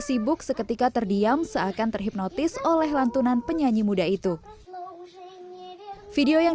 sibuk seketika terdiam seakan terhipnotis oleh lantunan penyanyi muda itu video yang